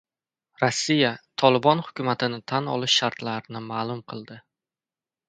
Rossiya Tolibon hukumatini tan olish shartlarini ma’lum qildi